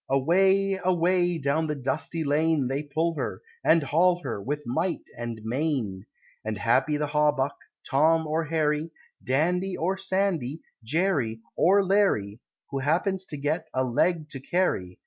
Away! away! down the dusty lane They pull her, and haul her, with might and main; And happy the hawbuck, Tom or Harry, Dandy, or Sandy, Jerry, or Larry, Who happens to get "a leg to carry!"